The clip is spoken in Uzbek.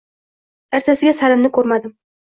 Ertasiga Salimni koʻrmadim.